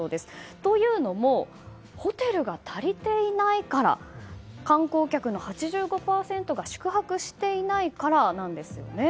というのもホテルが足りていないから観光客の８５％が宿泊していないからなんですね。